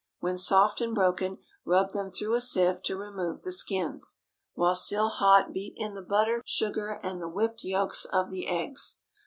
When soft and broken, rub them through a sieve to remove the skins. While still hot beat in the butter, sugar, and the whipped yolks of the eggs.